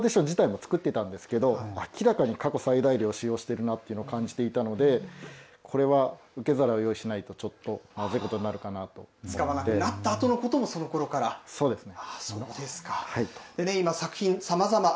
もともと、アクリルパーティション自体も作ってたんですけど、明らかに過去最大量、使用しているなというのを感じていたので、これは受け皿を用意しないと、ちょっとまずいことになるかなと思使わなくなったあとのことをそうですね。